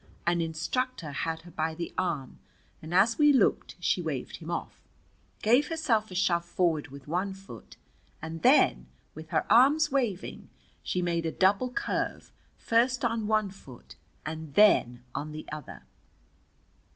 An instructor had her by the arm, and as we looked she waved him off, gave herself a shove forward with one foot, and then, with her arms waving, she made a double curve, first on one foot and then on the other.